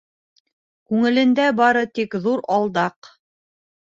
Күңелендә бары тик ҙур алдаҡ.